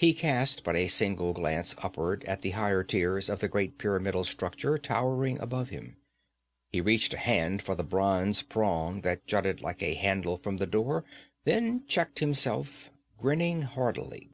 He cast but a single glance upward at the higher tiers of the great pyramidal structure towering above him. He reached a hand for the bronze prong that jutted like a handle from the door then checked himself, grinning hardly.